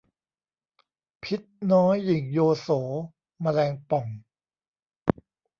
พิษน้อยหยิ่งโยโส แมลงป่อง